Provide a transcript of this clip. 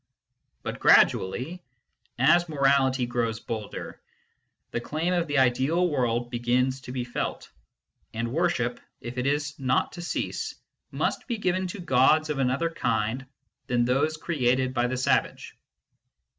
But gradually, as morality grows bolder, the claim of the ideal world begins to be felt ; and worship, if it is not to cease, must be given to gods of another kind than those created by the savage.